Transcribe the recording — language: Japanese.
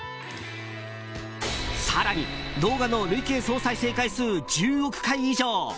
更に動画の累計総再生回数１０億回以上。